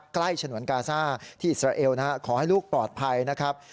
ฉนวนกาซ่าที่อิสราเอลขอให้ลูกปลอดภัยนะครับ